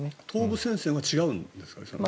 東部戦線は違うんですか？